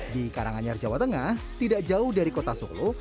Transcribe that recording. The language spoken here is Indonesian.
di karanganyar jawa tengah tidak jauh dari kota solo